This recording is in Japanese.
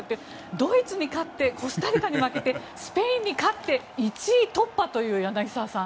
ドイツに勝ってコスタリカに負けてスペインに勝って１位突破という、柳澤さん。